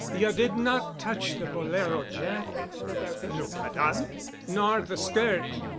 "You did not touch the bolero jacket?" "No, Madame." "Nor the skirt?"